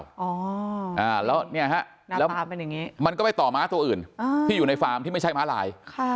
แล้วเนี่ยฮะแล้วมันก็ไปต่อม้าตัวอื่นที่อยู่ในฟาร์มที่ไม่ใช่ม้าลาย